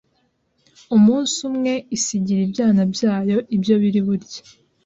Umunsi umwe isigira ibyana byayo ibyo biri burye,